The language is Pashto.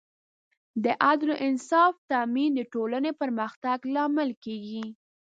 د عدل او انصاف تامین د ټولنې پرمختګ لامل کېږي.